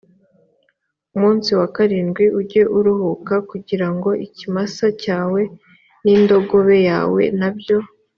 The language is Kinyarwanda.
munsi wa karindwi ujye uruhuka kugira ngo ikimasa cyawe n’ indogobe yawe na byo